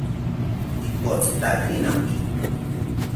Pipothotakiri nonki